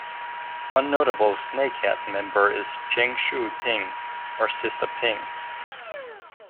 One notable snakehead member is Cheng Chui Ping or "Sister Ping".